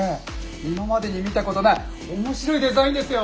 今までに見たことない面白いデザインですよ。